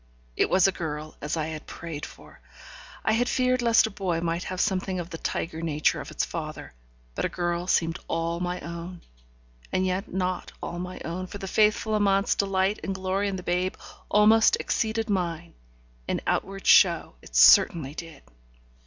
It was a girl, as I had prayed for. I had feared lest a boy might have something of the tiger nature of its father, but a girl seemed all my own. And yet not all my own, for the faithful Amante's delight and glory in the babe almost exceeded mine; in outward show it certainly did.